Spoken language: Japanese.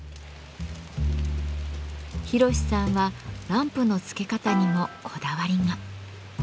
ヒロシさんはランプのつけ方にもこだわりが。